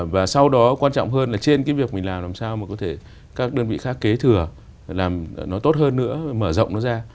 và sau đó quan trọng hơn là trên cái việc mình làm làm sao mà có thể các đơn vị khác kế thừa làm nó tốt hơn nữa mở rộng nó ra